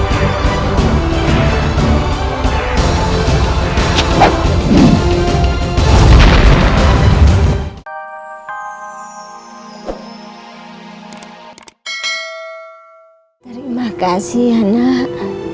terima kasih anak